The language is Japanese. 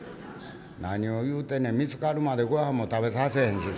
「何を言うてんね見つかるまでごはんも食べさせへんしそんなもん」。